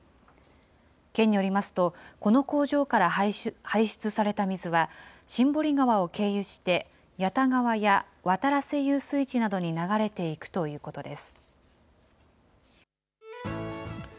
県によりますと、この工場から排出された水は新堀川を経由して、谷田川や渡良瀬遊水地などに流れていくということです。